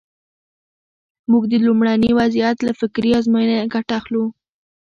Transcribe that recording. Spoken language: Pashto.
موږ د لومړني وضعیت له فکري ازموینې ګټه اخلو.